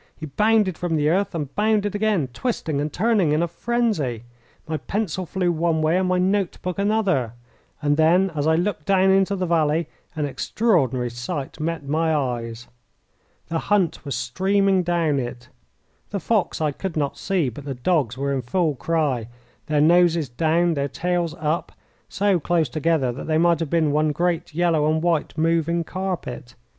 He bounded from the earth and bounded again, twisting and turning in a frenzy. My pencil flew one way and my note book another. And then, as I looked down into the valley, an extraordinary sight met my eyes. The hunt was streaming down it. The fox I could not see, but the dogs were in full cry, their noses down, their tails up, so close together that they might have been one great yellow and white moving carpet.